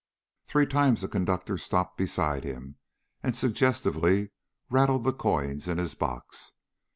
Three times the conductor stopped beside him and suggestively rattled the coins in his box.